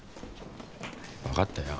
わかったよ。